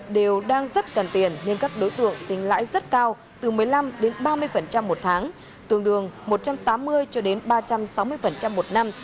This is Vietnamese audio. đều đang rất cần tiền nhưng các đối tượng tính lãi rất cao từ một mươi năm đến ba mươi một tháng tương đương một trăm tám mươi cho đến ba trăm sáu mươi một năm